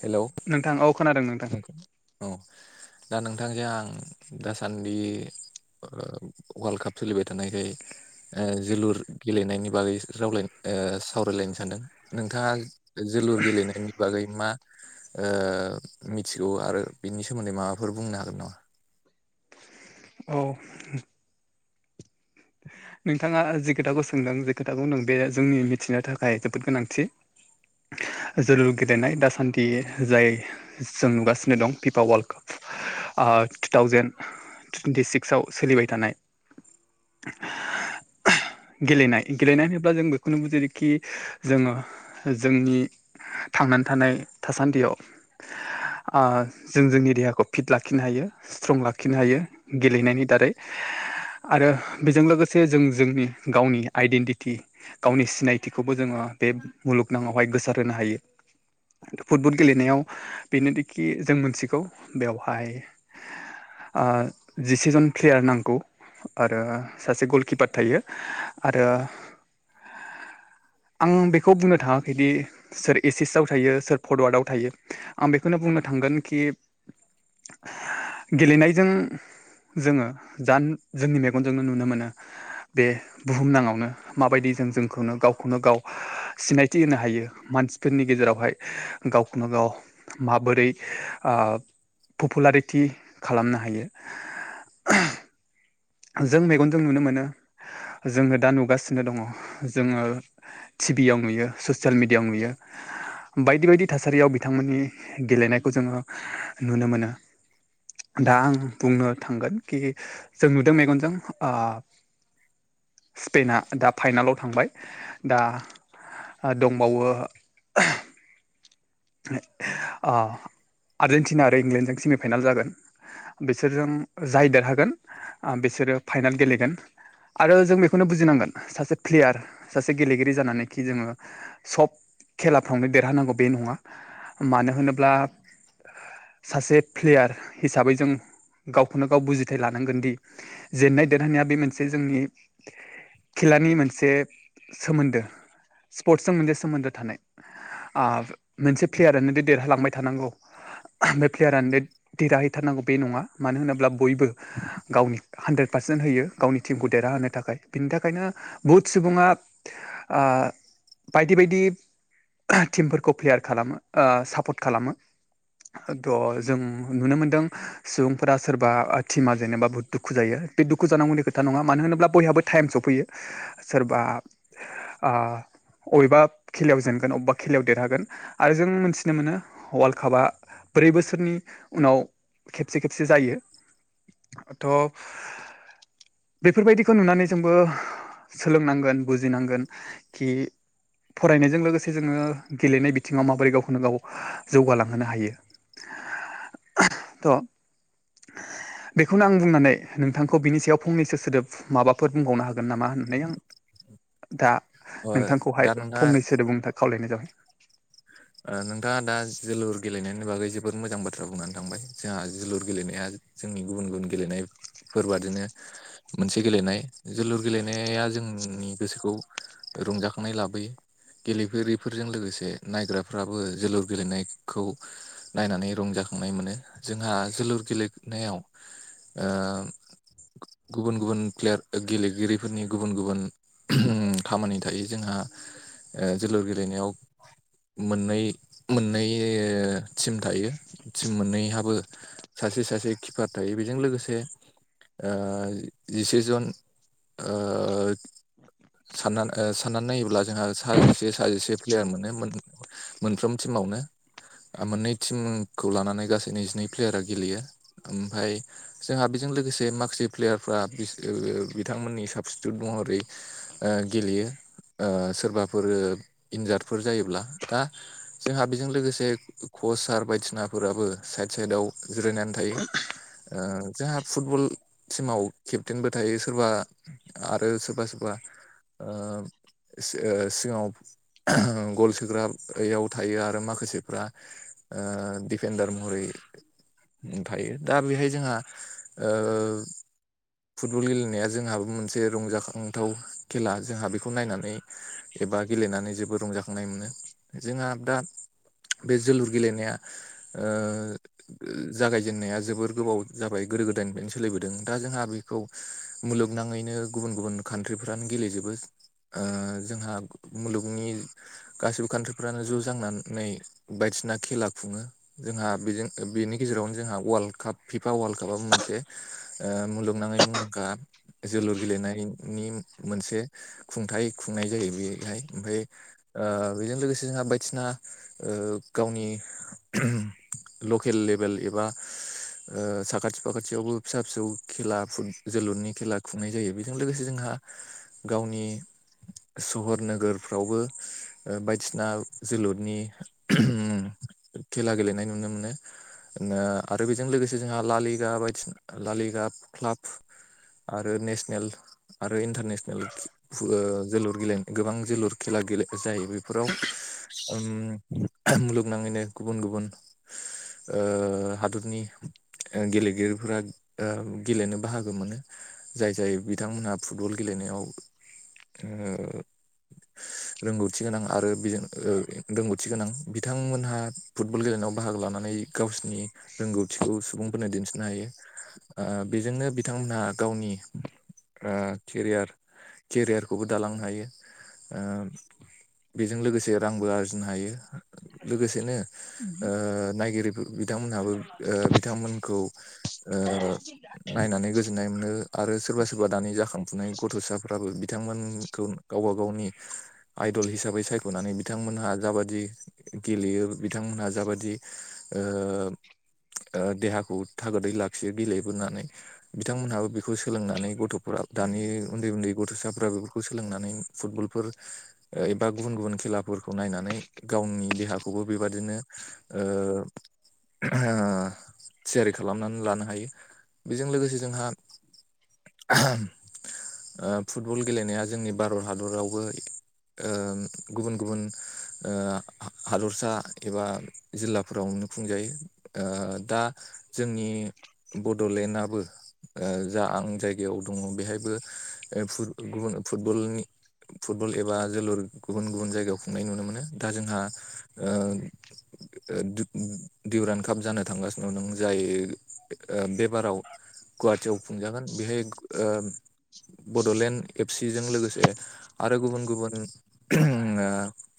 Hello नोंथां औ खोनादों नोंथां उम औ दा नोंथांजों आं दासान्दि ओ वर्ल्ड काप सोलिबाय थानायखाय ओ जोलुर गेलेनायनि बागै रावलाय सावरायलायनो सानदों नोंथाङा जोलुर गेलेनायनि बागै मा ओ मिथिगौ आरो बिनि सोमोन्दै माबाफोर बुंनो हागोन नामा औ नोंथाङा जि खोथाखौ सोंदों जे खोथाखौ नों बे जोंनि मिथिनो थाखाय जोबोद गोनांथि जोलुर गेलेनाय दासान्दि जाय जों नुगासिनो दं पिपा वर्ल्ड काप, ओ टु थावजेेन टुइेन्टि सिक्सआव सोलिबाय थानाय [inaudible] गेलेनाय गेलेनाय होनोब्ला जों बेखौनो बुजियोखि जोङो जोंनि थांनानै थानाय थासान्दियाव ओ जों जोंनि देहाखौ फिट लाखिनो हायो स्ट्रं लाखिनो हायो गेलेनायनि दारै आरो बेजों लोगोसे जों जोंनि गावनि आइडेन्टिटि गावनि सिनायथिखौबो जोङो बे मुलुगनङावहाय गोसार होनो हायो फुटबल गेलेनायाव बेनोदिखि जों मोनथिगौ बेवहाय ओ जिसेजन प्लेयार नांगौ आरो सासे गलकिपार थायो आरो [inaudible] आं बेखौ बुंनो थाङाखैदि सोर एसिस आव थायो सोर फरवार्डाव थायो आं बेखौनो बुंनो थांगोन कि गेलेनायजों जोङो जां जोंनि मेगनजोंनो नुनो मोनो नो बे बुहुम नाङावनो माबायदि जों जोंखौनो गावखौनो गाव सिनायथि होनो हायो मानसिफोरनि गेजेरावहाय गावखौनो गाव माबोरै ओ पपुलारिटि खालामनो हायो जों मेगनजों नुनो मोनो जोङो दा नुगासिनो दङ जोङो टिभि आयाव नुयो ससियेल मिडियायाव नुयो बायदि बायदि थासारियाव बिथांमोननि गेलेनायखौ जोङो नुनो मोनो दा आं बुंनो थांगोन कि जों नुदों मेगनजों ओ स्पेना दा फाइनालाव थांबाय दा दंबावो आर्जेेनटिना आरो इंलेण्डजों सेमिफाइनाल जागोन। बिसोरजों जाय देरहागोन बिसोरो फाइनाल गेलेगोन। आरो जों बेखौनो बुजिनांगोन, सासे प्लेयार सासे गेलेगिरि जानानैखि जोङो सब खेलाफ्रावनो देरहानांगौ बे नङा मानो होनोब्ला सासे प्लेयार हिसाबै जों गावखौनो गाव बुजि लानांगोन दि जेननाय देरहानाया बे मोनसे जोंनि खेलानि मोनसे सोमोन्दो स्पर्टसजों मोनसे सोमोन्दो थानाय आ मोनसे प्लेयारानो देरहालांबाय थानांगौ बे प्लेयारानो देरहाहैथारनांगौ बे नङा मानो होनोब्ला बयबो गावनि हानद्रेद पारसेन्ट होयो गावनि टिमखौ देरहाहोनो थाखाय बिनि थाखायनो बुहुत सुबुङा ओ बायदि बायदि टिमफोर खौ प्लेयार खालामो ओ सापर्ट खालामो थ जों नुनो मोनदों सुबुंफोरा सोरबा टिमा जेनेबा बुहुत दुखु जायो, बे दुखु जानांगौनि खोथा नङा मानो होनोब्ला बयहाबो टाइम सफैयो सोरबा ओ अबेबा खेलायाव जेनगोन अबेबा खेलायाव देरहागोन आरो जों मोनथिनो मोनो वर्ल्ड कापआ ब्रै बोसोरनि उनाव खेबसे खेबसे जायो दाथ' बेफोरबायदिखौ नुनानै जोंबो सोलोंनांगोन बुजिनांगोन। कि फरायनायजों लोगोसे जोङो गेलेनाय बिथिङाव माबोरै गावखौनो गाव जौगालांहोनो हायो थ' बेखौनो आं बुंनानै नोंथांखौ बिनि सायाव फंनैसो सोदोब माबाफोर बुंबावनो हागोन नामा होननानै आं दा ओ दा नोंथांखौहाय नोंथाङा फंनै सोदोब बुंनो थाखाय खावलायनाय जाबाय। नोंथाङा दा जोलुर गेलेनायनि नि बागै जोबोर मोजां बाथ्रा बुंनानै थांबाय, जोंहा जोलुर गेलेनाया जोंनि गुबुन गुबुन गेलेनाय फोरबादिनो मोनसे गेलेनाय जोलुर गेलेनाया जोंनि गोसोखौ रंजाखांनाय लाबोयो गेलेगिरिफोरजों लोगोसे नायग्रा फोराबो जोलुर गेलेनाय खौ नायनानै रंजाखांनाय मोनो जोंहा जोलुर गेलेनायाव ओम गुबुन गुबुन प्लेयार गेलेगिरिफोरनि गुबुन गुबुन खामानि थायो जोंहा ओ जोलुर गेलेनायाव मोननै मोननै टिम थायो टिम मोननैहाबो सासे सासे किपार थायो। बेजों लोगोसे ओ जिसे जन ओ साननानै ओ साननानै नायोब्ला जोंहा साजिसे साजिसे प्लेयार मोनो मोनफ्रोम टिमावनो। ओम मोननै टिमखौ लानानै गासै नैजिनै प्लेयारा गेलेयो, ओमफ्राय जोंहा बेजों लोगोसे माखासे प्लेयारफ्रा बि ओ ओ बिथांमोननि साबस्टिटिउद महरै ओ गेलेयो ओ सोरबाफोर इन्जार्फोर जायोब्ला दा जोंहा बेजों लोगोसे कचार बायदिसिनाफोराबो साइड साइदाव जिरायनानै थायो। ओ जोंहा फुटबल टिमाव केप्टेनबो थायो सोरबा आरो सोरबा सोरबा ओ ओ सिगाङाव गल सोग्रा ओयाव थायो आरो माखासेफ्रा ओ दिफेनडार महरै थायो। दा बेहाय जोंहा ओ फुटबल गेलेनाया जोंहाबो मोनसे रंजाखांथाव खेला, जोंहा बेखौ नायनानै एबा गेलेनानै जोबोद रंजाखांनाय मोनो। जोंहा दा बे जोलुर गेलेनाया ओ ओ जागायजेननाया जोबोर गोबाव जाबाय गोदो गोदायनिफ्रायनो सोलिबोदों दा जोंहा बे खौ मुलुगनाङैनो गुबुन गुबुन कान्ट्रिफ्रानो गेलेजोबो। ओ जोंहा मुलुगनि गासिबो कान्ट्रि फ्रानो ज' जांनानै बायदिसिना खेला खुङो। जोंहा बेजों बेनि गेजेरावनो जोंहा वार्ल्ड काप फिफा वार्ल्ड काप आबो मोनसे ओ मुलुगनाङै मुंदांखा जोलुर गेलेनायनि मोनसे खुंथाय खुंनाय जायो बेहाय ओमफ्राय ओ बेजों लोगोसे जोंहा बायदिसिना ओ गावनि लकेल लेभेल एबा ओ साखाथि फाखाथियावबो फिसा फिसौ खेला फुट जोलुरनि खेला खुंनाय जायो बि जों लोगोसे जोंहा गावनि सहर नोगोरफ्रावबो ओ बायदि सिना जोलुरनि खेला गेलेनाय नुनो मोनो। आरो बेजों लोगोसे जोंहा लालिघा बायदि लालिघा क्लाब आरो नेसनेल आरो इन्टारनेसनेल खे फु ओ जोलुर गेलेनाय गोबां जोलुर खेला गेले जायो बे फोराव उम मुलुगनाङैनो गुबुन गुबुन ओ हादरनि ओ गेलेगिरिफोरा ओ गेलेनो बाहागो मोनो। जाय जाय बिथांमोनहा फुटबल गेलेनायाव ओ रोंगौथि गोनां आरो बेजों ओ रोंगौथि गोनां बिथांमोनहा फुटबल गेलेनायाव बाहागो लानानै गाव नि रोंगौथिखौ सुबुं फोरनो दिन्थिनो हायो। ओ बेजोंनो बिथांमोनहा गावनि ओ केरियार केरियारखौबो दालांनो हायो ओ बेजों लोगोसे रांबो आरजिनो हायो लोगोसेनो नायगिरि ओ नायगिरि बिथांमोनहाबो ओ बिथांमोनखौ ओ नायनानै गोजोननाय मोनो। आरो सोरबा सोरबा दानि जाखांफुनाय गथ'साफ्राबो बिथांमोनखौ गावबा गावनि दल हिसाबै सायख'नानै बिथांमोनहा जाबादि गेलेयो बिथांमोनहा जाबादि ओ ओ देहाखौ थागोदै लाखियो गेलेबोनानै। बिथांमोनहाबो बेखौ सोलोंनानै गथ'फोरा दानि उन्दै उन्दै गथ'साफ बेफोरखौ सोलोंनानै फुटबलफोर एबा गुबुन गुबुन खेलाफोरखौ नायनानै गावनि देहाखौबो बेबादिनो ओ थियारि खालामनानै लानो हायो। बेजों लोगोसे जोंहा ओ फुटबल गेलेनाया जोंनि भारत हादरावबो ओ गुबुन गुबुन ओ हादरसा एबा जिल्लाफोरावनो खुंजायो। ओ दा जोंनि बड'लेण्डआबो ओ जा आं जाय गायाव दङ बेवहायबो फुद गुबुन फुदबलनि फुदबल एबा जोलुर गुबुन गुबुन जायगायाव खुंनाय नुनो मोनो दा जोंहा ओ ओ दुब-दिउरान कप जानो थांगासिनो दं जायो ओ बेबाराव गुवाहाटियाव खुंजागोन बेहाय ओ बड'लेण्ड एफ सिजों लोगोसे आरो गुबुन गुबुन ओ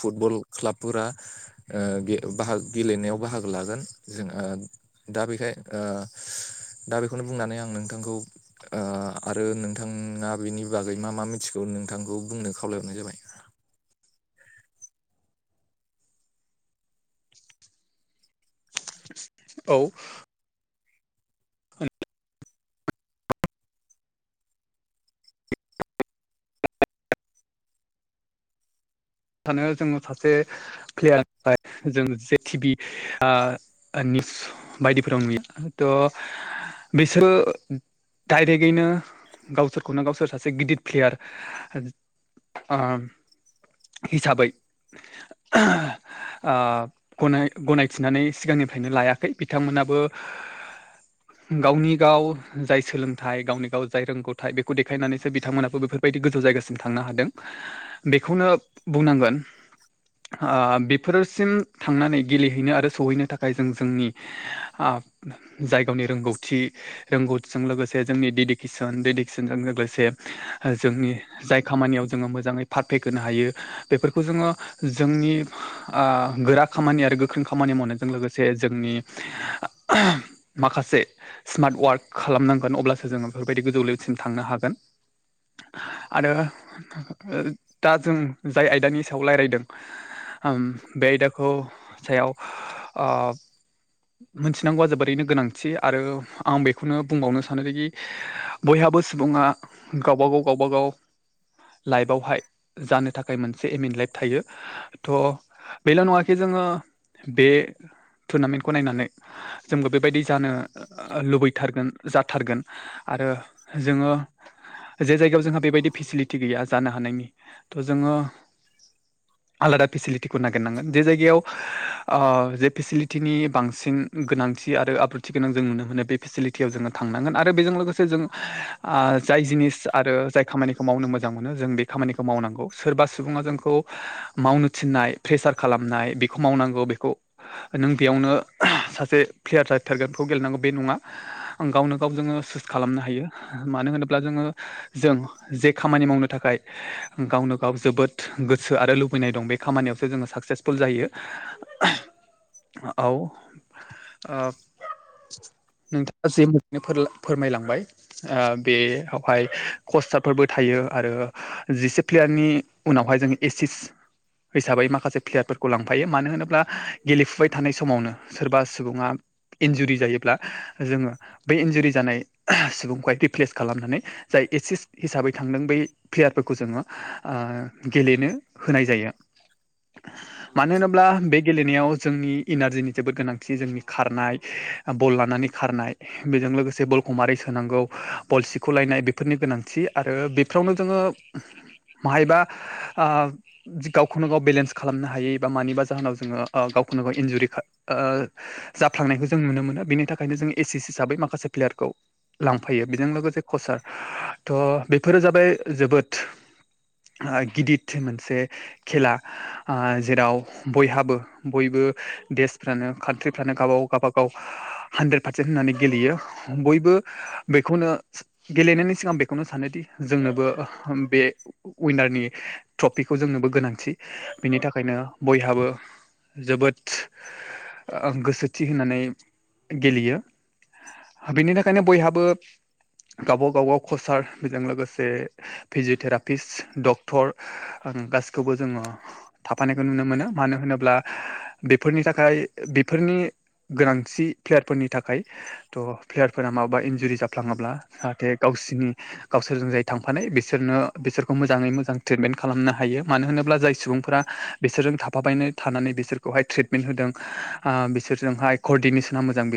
फुटबल क्लाबफोरा ओ गे बाहाग गेलेनायाव बाहागो लागोन जों ओ दा बेखाय ओ दा बेखौनो बुंनानै आं नोंथांखौ ओ आरो नोंथाङा बेनि बागै मा मा मिथिगौ नोंथांखौ बुंनो खावलायहरनाय जाबाय। औ [unintelligible] थानो जोङो सासे प्लेयारनि [unintelligible] बायदिफोराव नुयो‌ थ' बिसोर डाइरेक्टैनो गावसोरखौनो गावसोर सासे गिदिर प्लेयार‌ओ हिसाबै ओ गनाय गनायथिनानै सिगांनिफ्रायनो लायाखै बिथांमोनाबो [inaudible] गावनि गाव जाय सोलोंथाइ गावनि गाव जाय रोंगौथायाइ बेखौ देखायनानैसो बिथांमोनाबो बेफोर बायदि गोजौ जायगासिम थांनो हादों बेखौनो बुंनांगोन। ओ बेफोरसिम थांनानै गेलेहैनो आरो सहैनो थाखाय जों जोंनि आं जायगावनि रोंगौथि रोंगौथिजों लोगोसे जोंनि डेडिकेसन डेदिकेसनजों लोगोसे जोंनि जाय खामानियाव जोङो मोजाङै पारफे होनो हायो बेफोरखौ जोङो जोंनि ओ गोरा खामानि आरो गोख्रों खामानि मावनायजों लोगोसे जोंनि माखासे स्मार्ट वार्क खालामनांगोन अब्लासो जोङो बेफोरबायदि गोजौ लेसिम थांनो हागोन। आरो दा जों जाय आयदानि सायाव राय्लायदों‌ बे आयदाखौ सायाव आ मोनथिनांगौआ जोबोरैनो गोनांथि आरो आं बेखौनो बुंबावनो सानोदि बयहाबो सुबुङा गावबागाव गावबागाव लाइफआवहाय जानो थाखाय मोनसे एमनलेट थायो। थ' बेल' नङाखि जोङो बे टुनामेन्टखौ नायनानै जोंबो बेबायदि जानो लुबैथारगोन जाथारगोन आरो जोङो जे जायगायाव जोंहा बेबायदि फेसिलिटि गैया जानो हानायनि थ' जोङो [unintelligible] आलादा फेसिलिटिखौ नागिरनांगोन जे जायगायाव ओ जे फेसिलिटिनि बांसिन गोनांथि आरो आब्रुथि गोनां जों नुनो मोनो बे फेसिलिटियाव जोङो थांनांगोन आरो बेजों लोगोसे जों आ जाय जिनिस आरो जाय खामानिखौ मावनो मोजां मोनो जों बे खामानिखौ मावनांगौ। सोरबा सुबुङा जोंखौ मावनो थिननाय प्रेसार खालामनाय बेखौ मावनांगौ बेखौ नों बेयावनो सासे प्लेयार जाथारगोन बेखौ गेलेनांगौ बे नङा गावनो गाव जोङो सुइस खालामनो हायो मानो होनोब्ला जोङो जों जे खामानि मावनो थाखाय गावनो गाव जोबोद गोसो आरो लुबैनाय दं बे खामानियावसो जोङो साक्सेसफुल जायो। औ ओ नोंथाङा जे मोजांनो फोरमायलांबाय आ बेयावहाय कस्टारफोरबो थायो आरो जिसे प्लेयार नि उनावहाय जोंङो एसिस हिसाबै माखासे प्लेयारफोरखौ लांफायो मानो होनोब्ला गेलेफुबाय थानाय समावनो सोरबा सुबुङा इन्जुरि जायोब्ला जोङो बै इन्जुरि जानाय सुबुंखौहाय रिप्लेस खालामनानै जाय एसिस हिसाबै थांदों बै प्लेयारफोरखौ जोङो ओ गेलेनो होनाय जायो। [inaudible] मानो होनोब्ला बे गेलेनायाव जोंनि इनारजिनि जोबोद गोनांथि जोंनि खारनाय बल लानानै खारनाय बेजों लोगोसे बलखौ मारै सोनांगौ बल सिख'लायनाय बेफोरनि गोनांथि आरो बे फ्रावनो जोङो बाहायबा ओ गावखौनो गाव बेलेन्स खालामनो हायै बा मानिबा जाहोनाव जोङो ओ गावखौनो गाव इन्जुरि ओ जाफ्लांनायखौ जों नुनो मोनो बेनि थाखायनो जों एस एस हिसाबै माखासे प्लेयारखौ लांफायो बेजों लोगोसे कसार थ' बेफोरो जाबाय जोबोद ओ गिदिर मोनसे खेला ओ जेराव बयहाबो बयबो देशफ्रानो कान्ट्रिफ्रानो गावबाव गावबागाव हानद्रेद पारसेन्ट होननानै गेलेयो बयबो बेखौनो गेलेनायनि सिगांं बेखौनो सानोदि जोंनोबो बे उइनारनि ट्रफिखौ जोंनोबो गोनांथि बिनि थाखायनो बयहाबो जोबोद ओ गोसोथि होनानै गेलेयो बेनि थाखायनो बयहाबो गावबागावगाव कसार फोरजों लोगोसे फिजिय'थेरा पिस डक्टर आ गासिखौबो जोङो थाफानायखौ नुनो मोनो मानो होनोब्ला बेफोरनि थाखाय बेफोरनि गोनांथि प्लेयारफोरनि थाखाय थ' प्लेयारफोरा माबाबा इन्जुरि जाफ्लाङोब्ला जाहाथे गावसिनि गावसोरजों जाय थांफानाय बिसोरनो बिसोरखौ मोजाङै मोजां ट्रिटमेन्ट खालामनो हायो मानो होनोब्ला जाय सुबुंफोरा बिसोरजों थाफाबायनो थानानै बिसोर खौहाय ट्रिटमेन्ट होदों ओ बिसोरजोंहाय करडिनेसना मोजां बिसोर